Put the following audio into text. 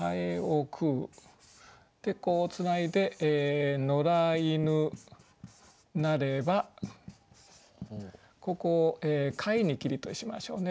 でこうつないで「野良犬なれば」。ここを「飼ひにけり」としましょうね。